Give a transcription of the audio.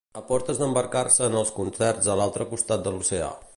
A portes d'embarcar-se en els concerts a l'altre costat de l'oceà.